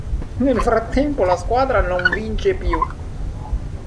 Nel frattempo, la squadra non vince più.